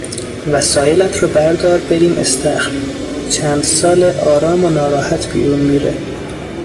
وسایلت رو بردار بریم استخر! چند ساله آرام و ناراحت بیرون میره